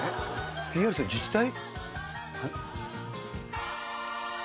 ＰＲする自治体？